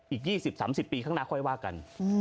อีก๒๐๓๐ปีข้างหน้าค่อยว่ากัน